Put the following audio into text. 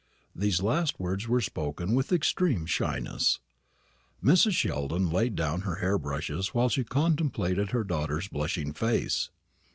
These last words were spoken with extreme shyness. Mrs. Sheldon laid down her hair brushes while she contemplated her daughter's blushing face.